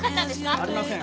ありません。